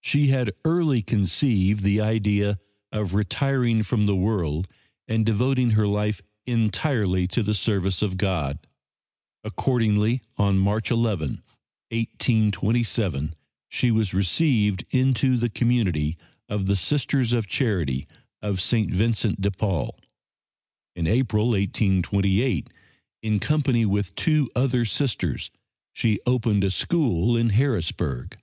She had early conceived the idea of retiring from the world and devoting her life entirely to the service of God. Accordingly, on March 11, 1827, she was received into the community of the Sisters of Charity of St. Vincent de Paul. In April, 1828, in company with two other Sisters, she opened a school in Harrisburg.